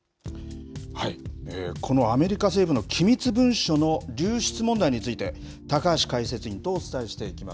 このアメリカ政府の機密文書の流出問題について、高橋解説委員とお伝えしていきます。